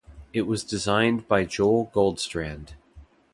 It was designed by Joel Goldstrand.